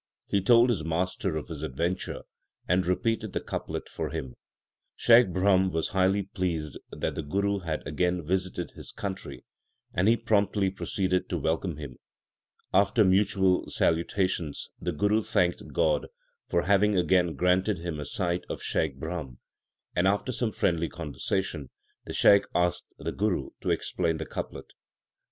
He told his master of his adventure, and repeated the couplet for him. Shaikh Brahm was highly pleased that the Guru had again visited his country, and he promptly proceeded to welcome him. After mutual salutations, the Guru thanked God for having again granted him a sight of Shaikh Brahm. After some friendly conversation, the Shaikh asked the Guru to explain the couplet.